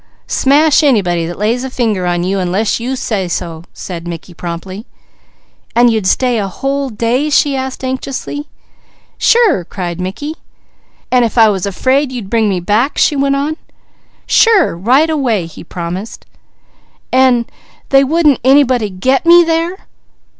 "Smash anybody that lays a finger on you, unless you say so," said Mickey promptly. "And you'd stay a whole day?" she asked anxiously. "Sure!" cried Mickey. "An' if I was afraid you'd bring me back?" she went on. "Sure! Right away!" he promised. "An' they wouldn't anybody 'get' me there?"